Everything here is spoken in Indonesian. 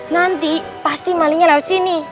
nanti pasti malingnya lewat sini